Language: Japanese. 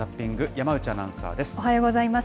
山内アナウンサーです。